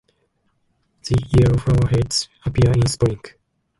The yellow flowerheads appear in Spring.